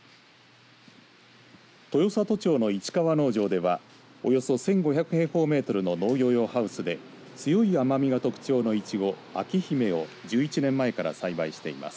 豊郷町の市川農場ではおよそ１５００平方メートルの農業用ハウスで強い甘みが特徴のいちご章姫を１１年前から栽培しています。